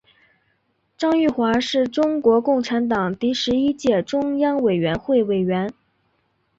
张玉华是中国共产党第十一届中央委员会委员。